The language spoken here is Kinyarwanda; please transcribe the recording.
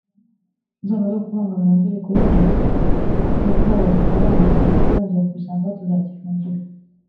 byaba ari ukubangamira amategeko y’uburezi ni uguhohotera abana ikigo tuzongera kubisangaho tuzagifungira”